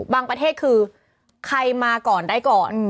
ประเทศคือใครมาก่อนได้ก่อน